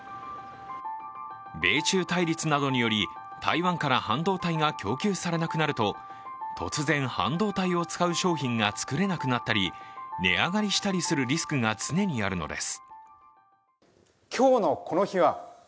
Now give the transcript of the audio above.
米中対立などにより台湾から半導体が供給されなくなると突然、半導体を使う商品が作れなくなったり、値上がりしたりするリスクが常にあるのです。